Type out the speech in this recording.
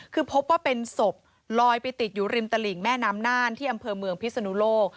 คือพบว่าเป็นศพลอยไปติดอยู่ริมตลิ่งแม่น้ำน่านที่อำเภอเมืองพิศนุโลก